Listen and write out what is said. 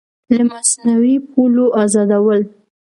له مصنوعي پولو ازادول